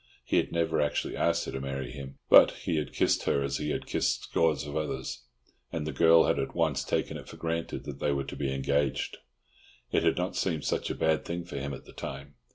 He had never actually asked her to marry him, but he had kissed her as he had kissed scores of others, and the girl had at once taken it for granted that they were to be engaged. It had not seemed such a bad thing for him at the time.